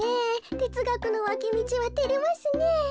てつがくのわきみちはてれますねえ。